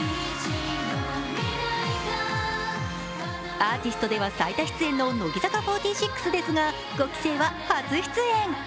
アーティストでは最多出演の乃木坂４６ですが５期生は初出演。